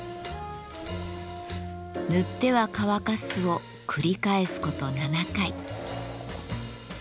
塗っては乾かすを繰り返すこと７回。